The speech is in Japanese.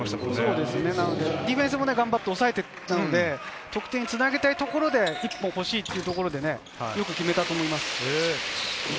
ディフェンスも頑張って抑えていたので、得点につなげたいところで、惜しいというところで、よく決めたと思います。